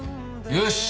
よし！